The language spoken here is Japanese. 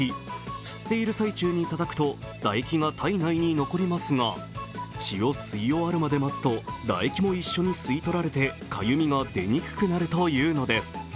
吸っている最中にたたくと唾液が体内に残りますが血を吸い終わるまで待つと、唾液も一緒に吸い取られてかゆみが出にくくなるというのです。